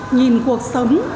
nhìn cuộc sống